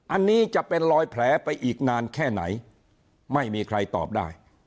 อันนี้จะเป็นรอยแผลไปอีกนานแค่ไหนไม่มีใครตอบได้